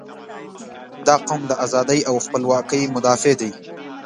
• دا قوم د ازادۍ او خپلواکۍ مدافع دی.